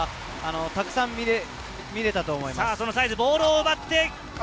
たくさん見れたと思います。